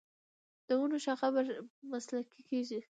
د ونو شاخه بري مسلکي کیږي.